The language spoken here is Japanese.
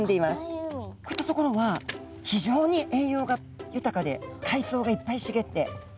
こういった所は非常に栄養が豊かでかいそうがいっぱいしげって。